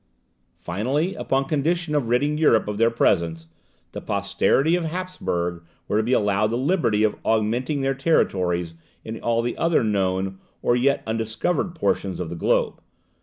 Finally, upon condition of ridding Europe of their presence, the posterity of Hapsburg were to be allowed the liberty of augmenting her territories in all the other known or yet undiscovered portions of the globe.